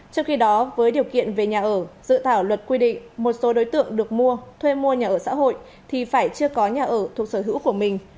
trong khi đó với điều kiện về nhà ở dự thảo luật quy định một số đối tượng được mua thuê mua nhà ở xã hội thì phải chưa có nhà ở thuộc sở hữu của mình